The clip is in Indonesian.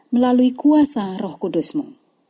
melalui kuasa roh kudusmu